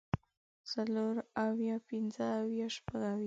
څلور اويه پنځۀ اويه شپږ اويه